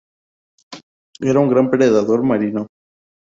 Es un gran predador marino.